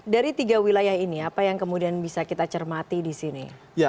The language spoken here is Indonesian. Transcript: dari tiga wilayah ini apa yang kemudian bisa kita cermati di sini